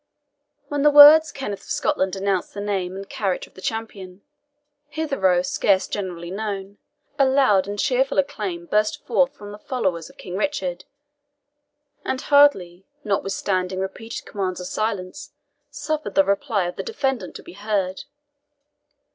When the words Kenneth of Scotland announced the name and character of the champion, hitherto scarce generally known, a loud and cheerful acclaim burst from the followers of King Richard, and hardly, notwithstanding repeated commands of silence, suffered the reply of the defendant to be heard.